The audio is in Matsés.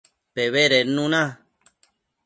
Pebedednu na